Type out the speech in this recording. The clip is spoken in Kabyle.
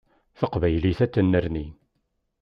Taqbaylit ad tennerni.